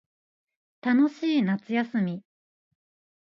楽しい夏休み